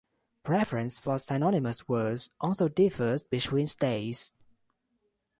Preference for synonymous words also differs between states.